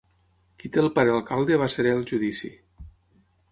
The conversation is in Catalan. Qui té el pare alcalde va serè al judici.